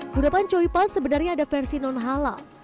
ke depan choy pan sebenarnya ada versi non hala